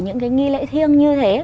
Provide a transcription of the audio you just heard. những cái nghi lễ thiêng như thế